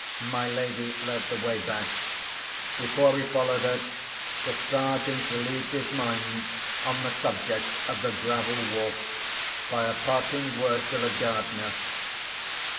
My lady led the way back. Before he followed her, the Sergeant relieved his mind on the subject of the gravel walks by a parting word to the gardener.